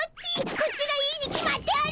こっちがいいに決まっておる！